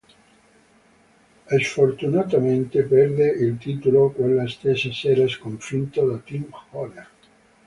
Sfortunatamente perde il titolo quella stessa sera sconfitto da Tim Horner.